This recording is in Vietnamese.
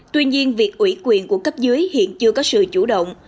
tuy nhiên việc ủy quyền của cấp dưới hiện chưa có sự chủ động